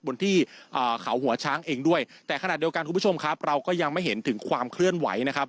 บนที่เขาหัวช้างเองด้วยแต่ขณะเดียวกันคุณผู้ชมครับเราก็ยังไม่เห็นถึงความเคลื่อนไหวนะครับ